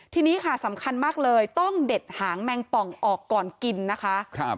ทีนี้ค่ะสำคัญมากเลยต้องเด็ดหางแมงป่องออกก่อนกินนะคะ